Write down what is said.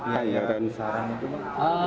kaya dan sarang itu